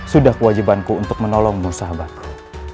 sudah kewajibanku untuk menolongmu sahabatku